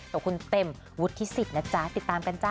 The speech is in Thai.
กับคุณเต็มวุฒิสิทธิ์นะจ๊ะติดตามกันจ้